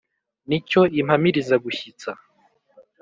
Ni cyo Impamirizagushyitsa